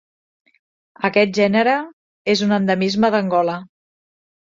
Aquest gènere és un endemisme d'Angola.